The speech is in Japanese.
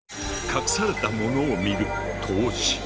隠されたものを見る「透視」。